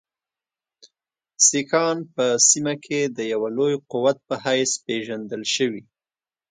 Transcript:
سیکهان په سیمه کې د یوه لوی قوت په حیث پېژندل شوي.